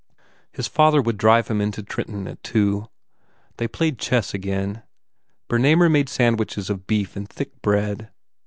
His father would drive him into Trenton at two. They played chess again. Bernamer made sandwiches of beef and thick bread.